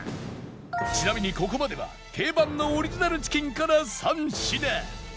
ちなみにここまでは定番のオリジナルチキンから３品